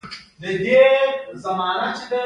حکم د چا لخوا ورکول کیږي؟